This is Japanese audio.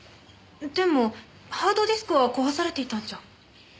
でもハードディスクは壊されていたんじゃ。